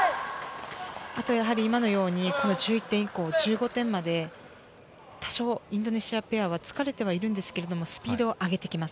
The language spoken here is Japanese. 今のように１１点以降１５点まで多少インドネシアペアは疲れているんですけど、スピードを上げてきます。